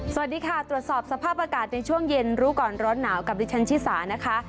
สวัสดีค่ะตรวจสอบสภาพอากาศในช่วงเย็นรู้ก่อนร้อนหนาวกับดิฉันชิสานะคะ